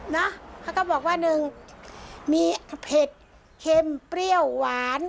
เขาก็บอกว่าหนึ่งมีเผ็ดเค็มเปรี้ยวหวาน